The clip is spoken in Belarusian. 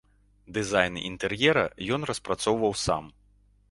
Дызайн інтэр'ера ён распрацоўваў сам.